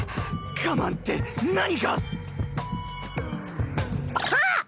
我慢って何が⁉あぁあっ！